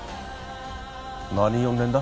何読んでんだ？